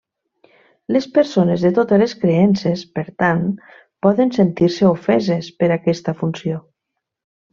Les persones de totes les creences, per tant, poden sentir-se ofeses per aquesta funció.